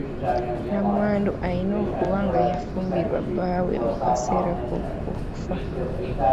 Namwandu alina okuba nga yafumbirwa bbaawe mu kaseera k'okufa.